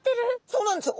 そうなんですよ。